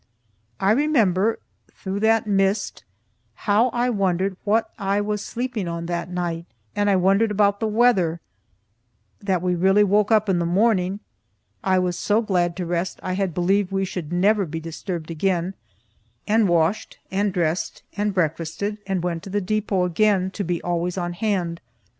I remember, through that mist, how I wondered what I was sleeping on that night, as I wondered about the weather; that we really woke up in the morning (I was so glad to rest I had believed we should never be disturbed again) and washed, and dressed and breakfasted and went to the depot again, to be always on hand.